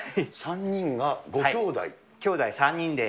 ３人がご兄弟で。